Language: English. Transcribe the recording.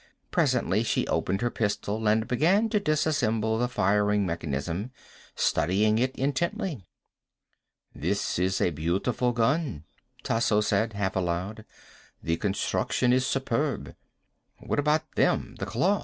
Presently she opened her pistol and began to disassemble the firing mechanism, studying it intently. "This is a beautiful gun," Tasso said, half aloud. "The construction is superb." "What about them? The claws."